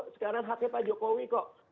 sekarang haknya pak jokowi kok